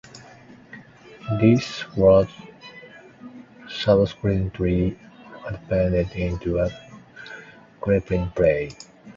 This was subsequently adapted into a screenplay.